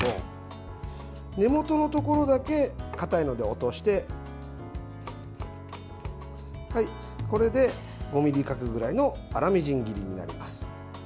根元のところだけかたいので落としてこれで、５ｍｍ角ぐらいの粗みじん切りになります。